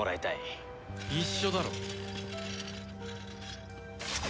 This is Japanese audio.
一緒だろ。